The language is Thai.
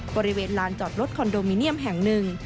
บริเวณลานจอดรถคอนโดมิเนียมแห่งหนึ่ง